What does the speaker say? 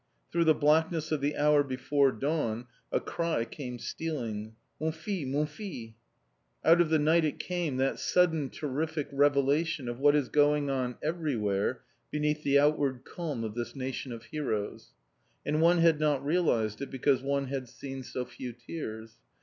Through the blackness of the hour before dawn a cry came stealing: "Mon fils! Mon fils!" Out of the night it came, that sudden terrific revelation of what is going on everywhere beneath the outward calm of this nation of heroes. And one had not realised it because one had seen so few tears.